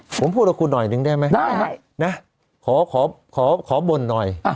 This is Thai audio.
เออผมพูดกับคุณหน่อยหนึ่งได้ไหมได้นะขอขอขอขอบ่นหน่อยอ่ะ